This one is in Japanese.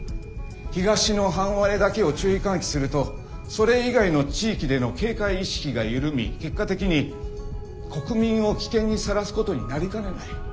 東の半割れだけを注意喚起するとそれ以外の地域での警戒意識が緩み結果的に国民を危険にさらすことになりかねない。